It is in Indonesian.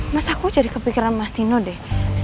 mas aku jadi kepikiran mas dino deh